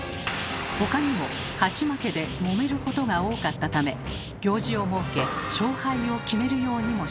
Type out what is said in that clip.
他にも勝ち負けでもめることが多かったため行司をもうけ勝敗を決めるようにもしました。